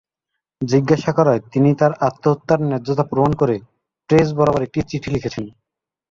জিজ্ঞাসা করায়, তিনি তার আত্মহত্যার ন্যায্যতা প্রমাণ করে প্রেস বরাবর একটি চিঠি লিখেছেন।